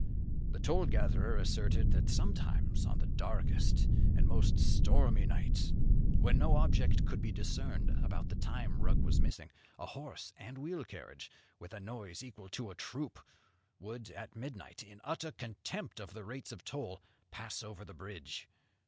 The toll gatherer asserted that sometimes, on the darkest and most stormy nights, when no object could be discerned about the time Rugg was missing, a horse and wheelcarriage, with a noise equal to a troop, would at midnight, in utter contempt of the rates of toll, pass over the bridge.